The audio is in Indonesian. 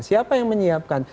siapa yang menyiapkan